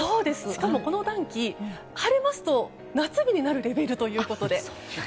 しかも、この暖気晴れますと夏日になるレベルということで。